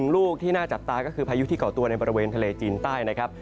ลูกที่น่าจับตาก็คือพายุที่เกาะตัวในบริเวณทะเลจีนใต้นะครับ